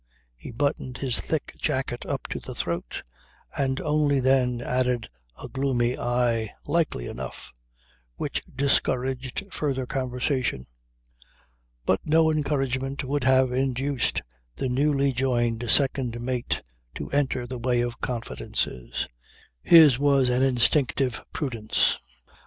He buttoned his thick jacket up to the throat, and only then added a gloomy "Aye, likely enough," which discouraged further conversation. But no encouragement would have induced the newly joined second mate to enter the way of confidences. His was an instinctive prudence.